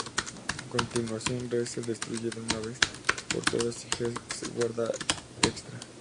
A continuación, Rez se destruye de una vez por todas, y Gex guarda Xtra.